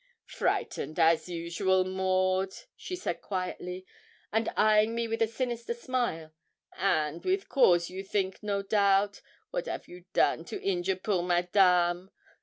'Frightened as usual, Maud,' she said quietly, and eyeing me with a sinister smile, 'and with cause you think, no doubt. Wat 'av you done to injure poor Madame?